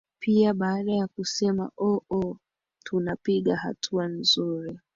pia badala ya kusema oo tunapiga hatua nzuri